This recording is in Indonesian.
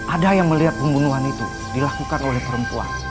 ada yang melihat pembunuhan itu dilakukan oleh perempuan